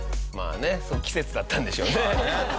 まあねその季節だったんでしょうね。